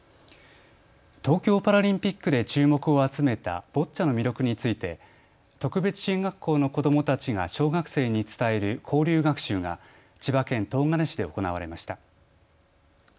東京パラリンピックで注目を集めたボッチャの魅力について特別支援学校の子どもたちが小学生に伝える交流学習が千葉県東金市で行われました。